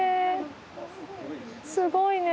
すごいね。